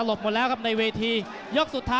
น้ำเงินรอโต